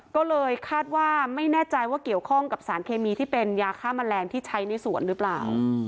ก็เลยคาดว่าไม่แน่ใจว่าเกี่ยวข้องกับสารเคมีที่เป็นยาฆ่าแมลงที่ใช้ในสวนหรือเปล่า